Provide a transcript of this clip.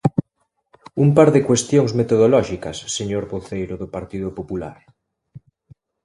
Un par de cuestións metodolóxicas, señor voceiro do Partido Popular.